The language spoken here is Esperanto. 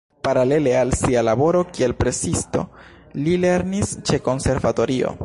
Paralele al sia laboro kiel presisto li lernis ĉe konservatorio.